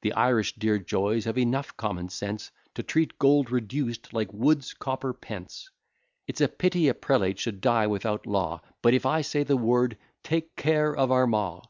The Irish dear joys have enough common sense, To treat gold reduced like Wood's copper pence. It is a pity a prelate should die without law; But if I say the word take care of Armagh!"